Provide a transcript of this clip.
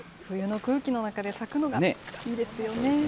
冬の空気の中で咲くのがいいですよね。